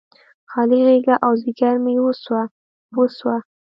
خالي غیږه او ځیګر مې وسوه، وسوه